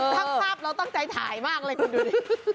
ทั้งภาพเราตั้งใจถ่ายมากเลยคุณดูดิ